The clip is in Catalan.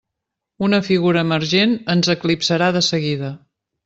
Una figura emergent ens eclipsarà de seguida.